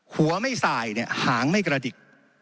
หัวไม่สายหางไม่กระดิก